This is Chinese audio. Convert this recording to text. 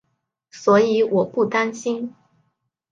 所以我不担心